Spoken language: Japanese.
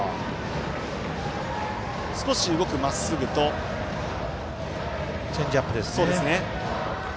少し動く、まっすぐとチェンジアップですね。